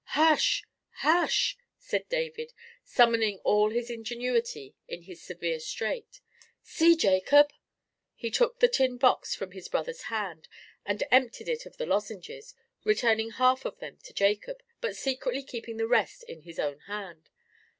"Hush! hush!" said David, summoning all his ingenuity in this severe strait. "See, Jacob!" He took the tin box from his brother's hand, and emptied it of the lozenges, returning half of them to Jacob, but secretly keeping the rest in his own hand.